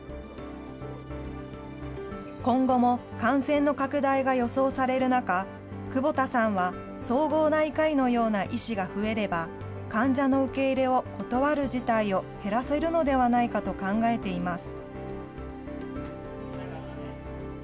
今後も感染の拡大が予想される中、窪田さんは、総合内科医のような医師が増えれば、患者の受け入れを断る事態を減らせるのではないかと考えています。